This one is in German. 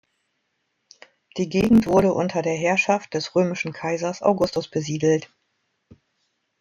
Die Gegend wurde unter der Herrschaft des römischen Kaisers Augustus besiedelt.